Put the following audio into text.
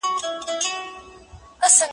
په دې هیله چي بیا آدم ته پټ پټ درخو ګوري